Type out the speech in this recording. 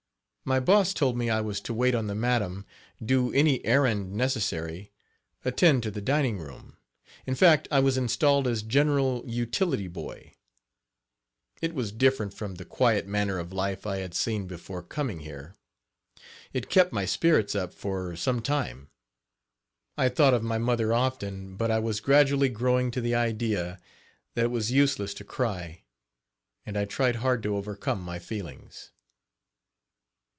My boss told me I was to wait on the madam, do any errand necessary, attend to the dining room in Page 15 fact I was installed as general utility boy. It was different from the quiet manner of life I had seen before coming here it kept my spirits up for some time. I thought of my mother often, but I was gradually growing to the idea that it was useless to cry, and I tried hard to overcome my feelings.